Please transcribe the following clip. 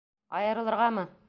Айырылырғамы?